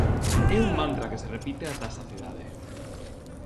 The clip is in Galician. É un mantra que se repite ata a saciedade.